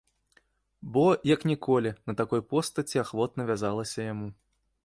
Бо, як ніколі, на такой постаці ахвотна вязалася яму.